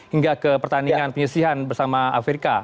hingga ke pertandingan penyisihan bersama afrika